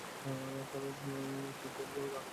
তোর জেলে যাওয়ার আগে থেকেই।